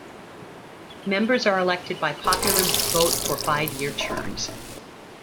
Members are elected by popular vote for five-year terms.